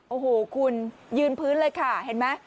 โอ้โหคุณยืนพื้นเลยค่ะเห็นไหม